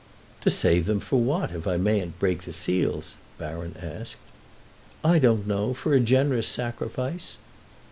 "To save them for what, if I mayn't break the seals?" Baron asked. "I don't know—for a generous sacrifice."